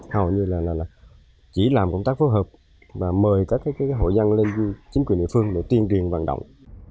hầu như là chỉ làm công tác phối hợp và mời các hội dân lên chính quyền địa phương tiên truyền hoạt động